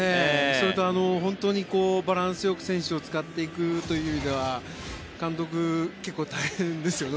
それと、本当にバランスよく選手を使っていくという意味では監督、結構大変ですよね。